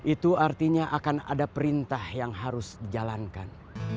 itu artinya akan ada perintah yang harus dijalankan